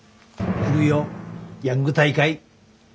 来るよヤング大会。